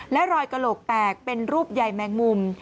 และรอยกระโหลกแตกเป็นรูปใหญ่แมงมุม